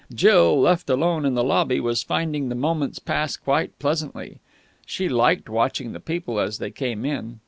Jill, left alone in the lobby, was finding the moments pass quite pleasantly. She liked watching the people as they came in.